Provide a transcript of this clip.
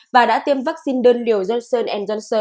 và đã tiêm vaccine đơn liều johnson johnson